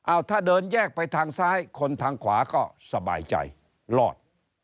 เอาถ้าเดินแยกไปทางซ้ายคนทางขวาก็สบายใจรอด